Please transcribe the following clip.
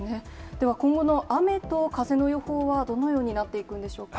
では、今後の雨と風の予報はどのようになっていくんでしょうか。